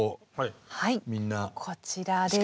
はいこちらです。